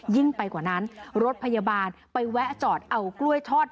ยิ่งไปกว่านั้นรถพยาบาลไปแวะจอดเอากล้วยทอด